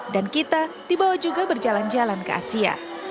dan kita dibawa juga berjalan jalan ke asia